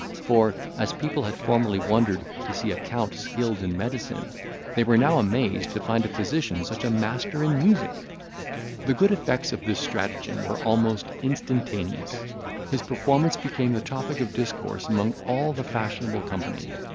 For, as people had formerly wondered to see a count skilled in medicine, they were now amazed to find a physician such a master in music. The good effects of this stratagem were almost instantaneous. His performance became the topic of discourse among all the fashionable company.